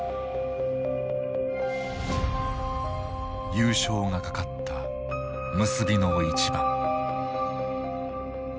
優勝がかかった結びの一番。